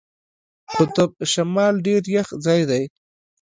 قطب شمال ډېر یخ ځای دی.